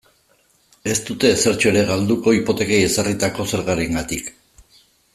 Ez dute ezertxo ere galduko hipotekei ezarritako zergarengatik.